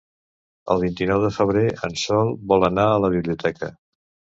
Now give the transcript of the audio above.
El vint-i-nou de febrer en Sol vol anar a la biblioteca.